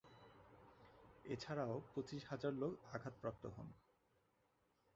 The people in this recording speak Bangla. এছাড়াও পঁচিশ হাজার লোক আঘাতপ্রাপ্ত হন।